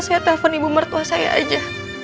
saya telepon ibu mertua saya aja